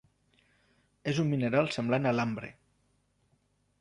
És un mineral semblant a l'ambre.